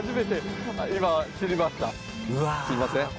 すみません。